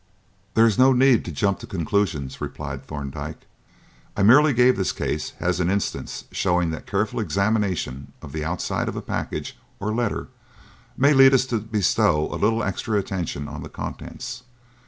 "There is no need to jump to conclusions," replied Thorndyke. "I merely gave this case as an instance showing that careful examination of the outside of a package or letter may lead us to bestow a little extra attention on the contents.